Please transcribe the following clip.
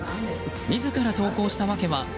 自ら投稿した訳は。